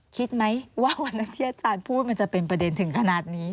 คิดไหมว่าวันนั้นที่อาจารย์พูดมันจะเป็นประเด็นถึงขนาดนี้